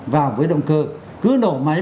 vào với động cơ cứ nổ máy